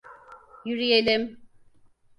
Yürüyelim.